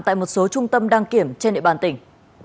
tại một số trung tâm đăng kiểm trên địa bàn tỉnh